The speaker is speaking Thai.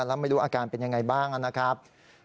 แล้วไม่รู้อาการเป็นยังไงบ้างนะครับ